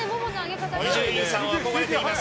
伊集院さんに憧れています。